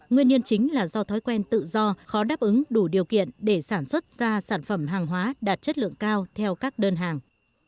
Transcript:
nguyên nhân chính là do thói quen tự do khó đáp ứng đủ điều kiện để sản xuất ra sản phẩm hàng hóa đạt chất lượng cao theo các đơn hàng